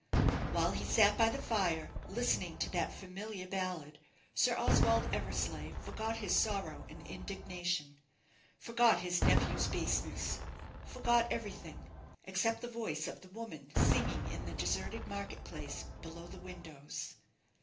While he sat by the fire, listening to that familiar ballad, Sir Oswald Eversleigh forgot his sorrow and indignation forgot his nephew's baseness, forgot everything, except the voice of the woman singing in the deserted market place below the windows.